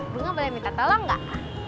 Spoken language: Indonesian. bunga boleh minta tolong gak